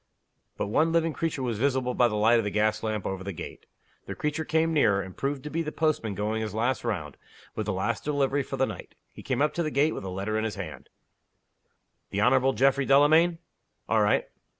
But one living creature was visible by the light of the gas lamp over the gate. The creature came nearer, and proved to be the postman going his last round, with the last delivery for the night. He came up to the gate with a letter in his hand. "The Honorable Geoffrey Delamayn?" "All right."